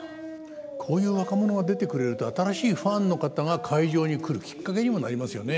こういう若者が出てくれると新しいファンの方が会場に来るきっかけにもなりますよね。